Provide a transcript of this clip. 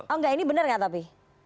oh nggak ini bener nggak tapi